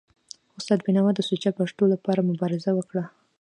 استاد بینوا د سوچه پښتو لپاره مبارزه وکړه.